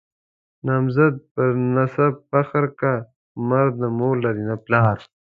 نامرد پر نسب فخر کا، مرد نه مور لري نه پلار.